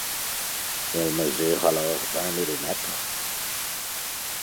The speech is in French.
Ils mesurent alors vingt millimètres.